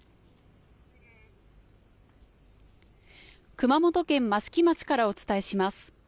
熊本県益城町からお伝えします。